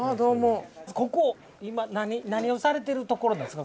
ここ今何をされてるところですか？